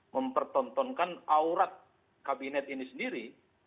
mempertontonkan aurat kabinet ini sendiri